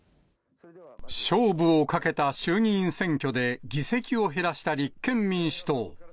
勝負をかけた衆議院選挙で、議席を減らした立憲民主党。